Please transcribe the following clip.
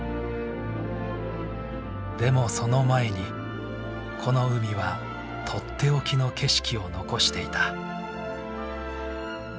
でもその前にこの海はとっておきの景色を残していた。